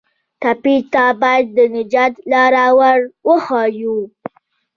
ټپي ته باید د نجات لاره ور وښیو.